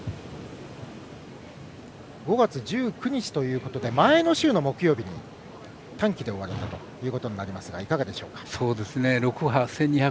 ５月１９日ということで前の週の木曜日に単騎で追われたということになりますがいかがでしょうか？